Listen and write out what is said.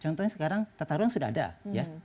contohnya sekarang tata ruang sudah ada ya